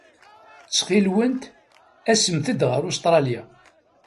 Ttxil-went, asemt-d ɣer Ustṛalya.